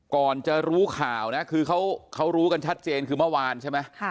ก่อนจะรู้ข่าวนะคือเขารู้กันชัดเจนคือเมื่อวานใช่ไหม